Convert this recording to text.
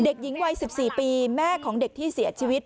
เด็กหญิงวัย๑๔ปีแม่ของเด็กที่เสียชีวิต